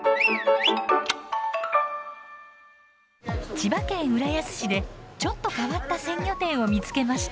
千葉県浦安市でちょっと変わった鮮魚店を見つけました。